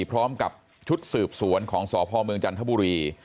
พร้อมกับชุดสืบสวนของสพเมืองจันทบุรี